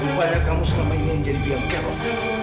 bukannya kamu selama ini yang jadi piang kek